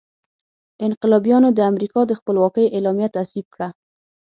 انقلابیانو د امریکا د خپلواکۍ اعلامیه تصویب کړه.